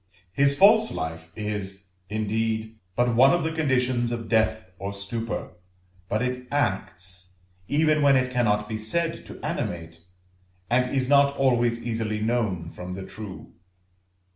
His false life is, indeed, but one of the conditions of death or stupor, but it acts, even when it cannot be said to animate, and is not always easily known from the true.